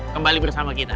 kembali bersama kita